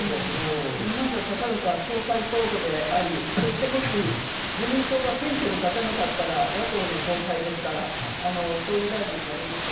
まだたかだか総裁候補であり、そしてもし自民党が選挙に勝てなかったら野党の総裁ですから、総理大臣じゃありません。